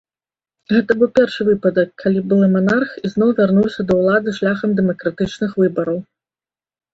Гэта быў першы выпадак, калі былы манарх ізноў вярнуўся да ўлады шляхам дэмакратычных выбараў.